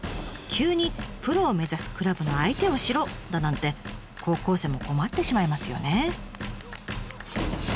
急にプロを目指すクラブの相手をしろだなんて高校生も困ってしまいますよね。